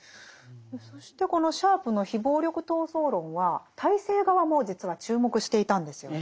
そしてこのシャープの非暴力闘争論は体制側も実は注目していたんですよね。